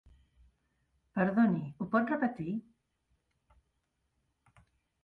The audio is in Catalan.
Perdoni, ho pot repetir?